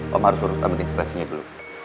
mama harus harus ambil insterasinya dulu